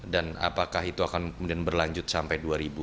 dan apakah itu akan berlanjut sampai dua ribu tujuh belas